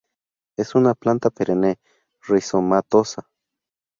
Es una planta perenne, rizomatosa.